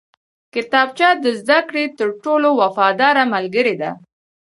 کتابچه د زده کړې تر ټولو وفاداره ملګرې ده